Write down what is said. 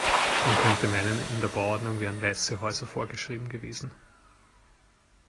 Man könnte meinen, in der Bauordnung wären weiße Häuser vorgeschrieben gewesen.